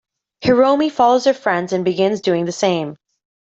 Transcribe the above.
Hiromi follows her friends and begins doing the same.